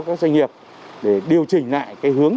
các doanh nghiệp để điều chỉnh lại